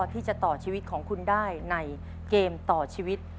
ที่จะต่อชีวิตของคุณได้ในเกมต่อชีวิต